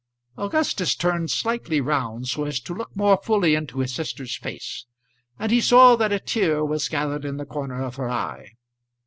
Augustus turned slightly round so as to look more fully into his sister's face, and he saw that a tear was gathered in the corner of her eye.